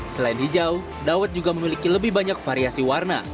selain hijau dawet juga memiliki lebih banyak variasi warna